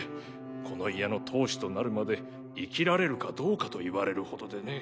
この家の当主となるまで生きられるかどうかと言われるほどでね。